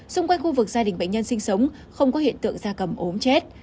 xung quanh khu vực gia đình bệnh nhân sinh sống không có hiện tượng da cầm ốm chết